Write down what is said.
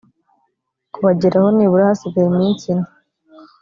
kubageraho nibura hasigaye iminsi ine